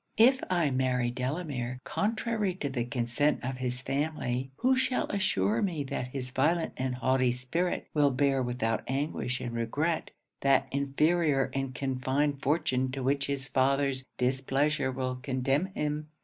'If I marry Delamere contrary to the consent of his family, who shall assure me that his violent and haughty spirit will bear without anguish and regret, that inferior and confined fortune to which his father's displeasure will condemn him?